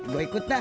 gue ikut dah